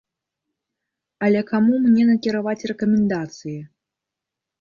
Але каму мне накіраваць рэкамендацыі?